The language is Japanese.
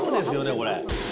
これ。